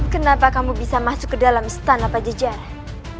kenapa kamu bisa masuk ke dalam stand pajajaran